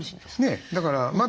ねえだからまだ。